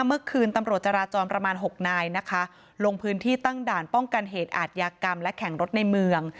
เมื่อคืนตำรวจจราจรประมาณ๖นายนะคะลงพื้นที่ตั้งด่านป้องกันเหตุอาทยากรรมและแข่งรถในเมือง